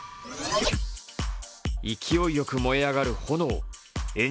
勢いよく燃え上がる炎。